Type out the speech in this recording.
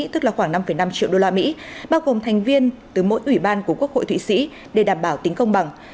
tức là khoảng năm năm triệu đô la mỹ bao gồm thành viên từ mỗi ủy ban của quốc hội thụy sĩ để đảm bảo tính công bằng